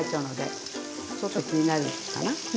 ちょっと気になるかな。ね？